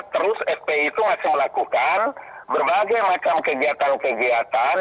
terus fpi itu masih melakukan berbagai macam kegiatan kegiatan